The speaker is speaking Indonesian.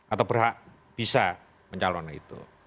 atau berhak bisa mencalon itu